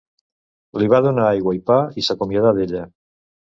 Li va donar aigua i pa i es acomiadar d"ella.